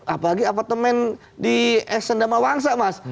apalagi apartemen di esendama wangsa mas